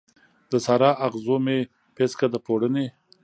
د سارا، اغزو مې پیڅکه د پوړنې